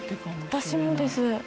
私もです。